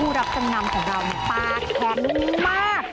ผู้รับจำนำสำหรับปลาแขนมาก